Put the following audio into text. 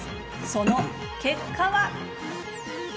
その結果は。